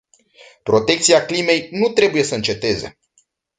Protecția climei nu trebuie să înceteze.